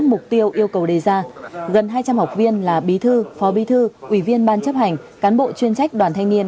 mục tiêu yêu cầu đề ra gần hai trăm linh học viên là bí thư phó bí thư ủy viên ban chấp hành cán bộ chuyên trách đoàn thanh niên